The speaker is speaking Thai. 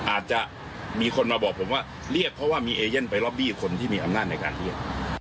อาจจะมีคนมาบอกผมว่าเรียกเพราะว่ามีเอเย่นไปล็อบบี้คนที่มีอำนาจในการเรียก